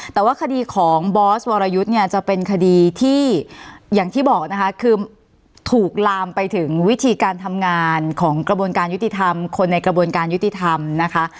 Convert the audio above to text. แต่ว่าคดีของบอสวรยุทธ์เนี่ยจะเป็นคดีที่อย่างที่บอกนะคะคือถูกลามไปถึงวิธีการทำงานของกระบวนการยุติธรรมคนในกระบวนการยุติธรรมนะคะ